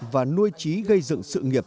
và nuôi trí gây dựng sự nghiệp